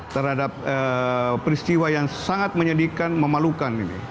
terhadap peristiwa yang sangat menyedihkan memalukan ini